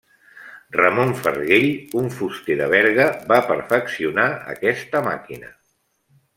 Ramon Farguell, un fuster de Berga, va perfeccionar aquesta màquina.